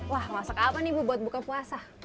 wah masak apa nih bu buat buka puasa